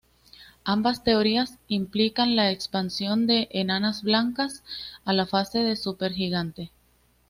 Ambas teorías implican la expansión de enanas blancas a la fase de supergigante.